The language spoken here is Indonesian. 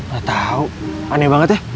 gak tahu aneh banget ya